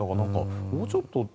もうちょっと。